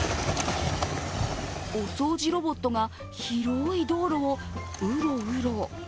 お掃除ロボットが広い道路をうろうろ。